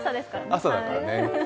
朝だからね。